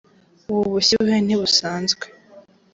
ubu bushyuhe ntibusanzwe